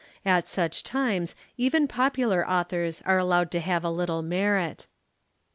At such times even popular authors were allowed to have a little merit.